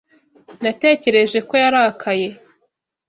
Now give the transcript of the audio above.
Natekereje ko yarakaye.